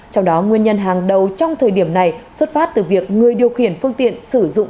trong đó nguyên nhân hàng đầu trong thời điểm này xuất phát từ việc người điều khiển phương tiện sử dụng